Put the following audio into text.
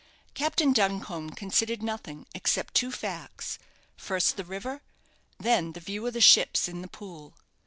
Captain Duncombe considered nothing, except two facts first the river, then the view of the ships in the Pool.